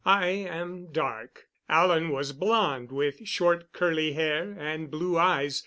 I am dark; Alan was blond, with short, curly hair, and blue eyes.